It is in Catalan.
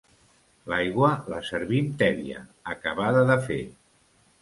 L'aigua la servim tèbia, acabada de fer.